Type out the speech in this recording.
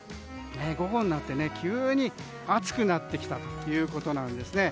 午後になって急に暑くなってきたということなんですね。